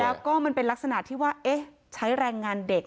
แล้วก็มันเป็นลักษณะที่ว่าใช้แรงงานเด็ก